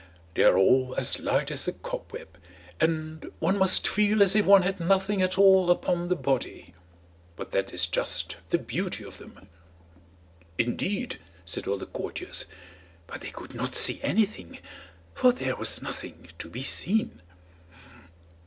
"They are all as light as a cobweb, and one must feel as if one had nothing at all upon the body; but that is just the beauty of them." "Indeed!" said all the courtiers; but they could not see anything, for there was nothing to be seen.